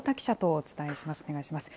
お願いします。